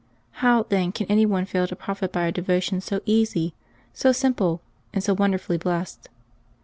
How, then, can any one fail to profit by a devotion so easy, so simple, and so wonderfully blessed